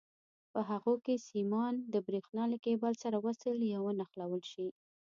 چې په هغو کې سیمان د برېښنا له کیبل سره وصل یا ونښلول شي.